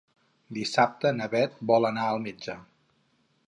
Dissabte na Beth vol anar al metge.